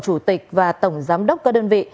chủ tịch và tổng giám đốc các đơn vị